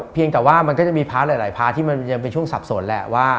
เพียงแต่ว่ามันก็จะมีพาร์ทหลายพาร์ทที่มันยังเป็นช่วงสับสนแหละว่า